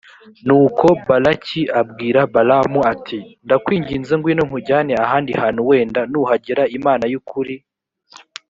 nuko balaki abwira balamu ati ndakwinginze ngwino nkujyane ahandi hantu wenda nuhagera imana y ukuri